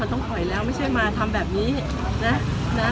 ต้องถอยแล้วไม่ใช่มาทำแบบนี้นะ